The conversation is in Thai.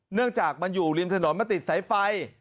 เนื่องจากมันอยู่ริมถนนมาติดสายไฟ